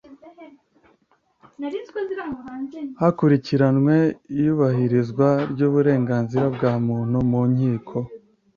hakurikiranywe iyubahirizwa ry uburenganzira bwa muntu mu nkiko